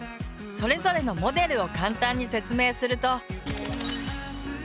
それぞれのモデルを簡単に説明すると。